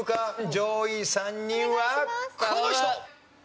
上位３人はこの人！